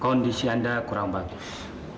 kondisi anda kurang bagus